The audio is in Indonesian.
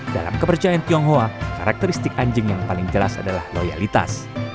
dalam kepercayaan tionghoa karakteristik anjing yang paling jelas adalah loyalitas